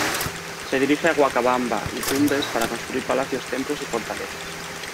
Se dirige a Huancabamba y Tumbes para construir palacios, templos y fortalezas.